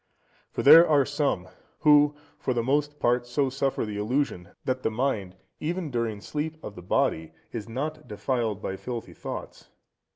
For there are some, who for the most part so suffer the illusion, that their mind, even during the sleep of the body, is not defiled with filthy thoughts.